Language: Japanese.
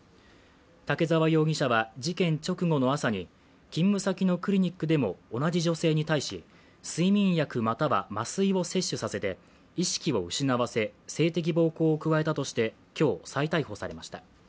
竹沢容疑者は事件直後の朝に勤務先のクリニックでも同じ女性に対し睡眠薬または麻酔を摂取させて意識を失わせ性的暴行を加えたとして、今日、再逮捕されました。